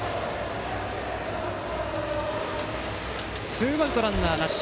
ツーアウトランナーなし。